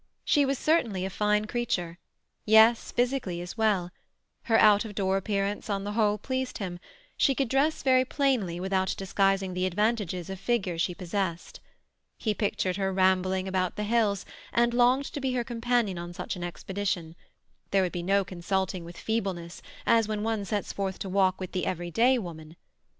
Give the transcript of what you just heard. She was certainly a fine creature—yes, physically as well. Her out of door appearance on the whole pleased him; she could dress very plainly without disguising the advantages of figure she possessed. He pictured her rambling about the hills, and longed to be her companion on such an expedition; there would be no consulting with feebleness, as when one sets forth to walk with the everyday woman.